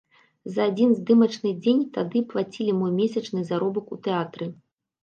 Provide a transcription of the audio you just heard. За адзін здымачны дзень тады плацілі мой месячны заробак у тэатры.